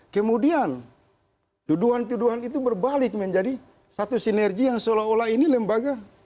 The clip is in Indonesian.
kemudian tuduhan tuduhan itu berbalik menjadi satu sinergi yang seolah olah ini lembaga